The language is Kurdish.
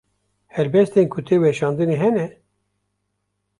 Helbestên ku te weşandine hene?